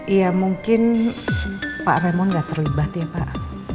ya mungkin pak raymond gak terlibat ya pak